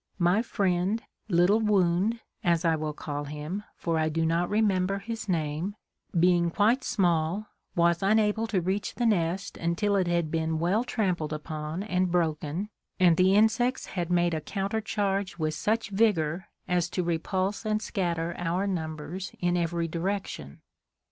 My friend, Little Wound (as I will call him, for I do not remember his name), being quite small, was unable to reach the nest until it had been well trampled upon and broken and the insects had made a counter charge with such vigor as to repulse and scatter our numbers in every direction.